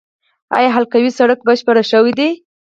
آیا حلقوي سړک بشپړ شوی دی؟